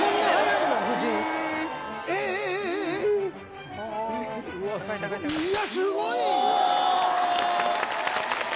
いやすごい！